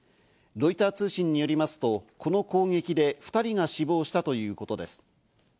ロイター通信によりますと、この攻撃で２人が死亡したということです。